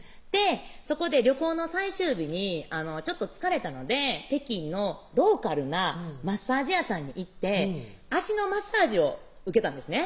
そこで旅行の最終日にちょっと疲れたので北京のローカルなマッサージ屋さんに行って足のマッサージを受けたんですね